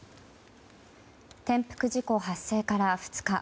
転覆事故発生から２日。